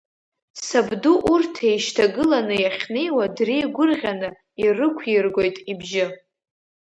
Сабду урҭ еишьҭагыланы иахьнеиуа дреигәырӷьаны ирықәиргоит ибжьы…